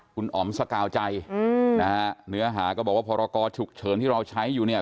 คุณอ๋อมสกาวใจอืมนะฮะเนื้อหาก็บอกว่าพรกรฉุกเฉินที่เราใช้อยู่เนี่ย